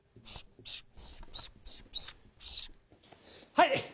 はい！